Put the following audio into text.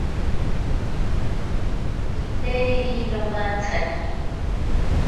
Kiteriri nomantsaki.